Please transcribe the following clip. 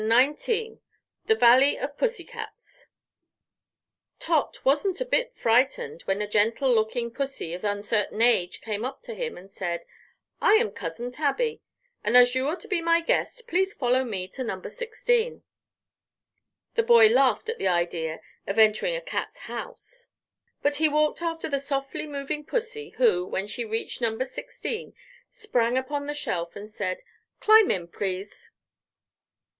CHAPTER 15 The Valley of Pussycats Tot wasn't a bit frightened when a gentle looking pussy of uncertain age came up to him and said: "I am Cousin Tabby, and as you are to be my guest please follow me to number 16." The boy laughed at the idea of entering a cat's house, but he walked after the softly moving pussy, who, when she reached number 16, sprang upon the shelf and said: "Climb in, please."